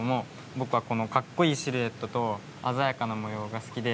僕は、この格好いいシルエットと鮮やかな模様が好きで。